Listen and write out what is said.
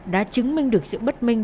đã chứng minh được sự bất minh